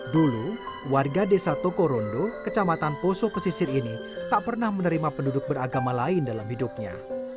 dulu warga desa toko rondo kecamatan poso pesisir ini tak pernah menerima penduduk beragama lain dalam hidupnya